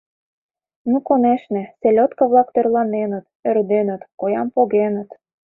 Ну, конешне, селёдко-влак тӧрланеныт, ӧрденыт, коям погеныт.